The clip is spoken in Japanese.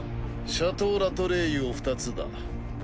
「シャトー・ラ・トレイユ」を２つだ。